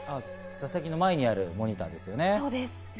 座席の前にあるモニターですよね。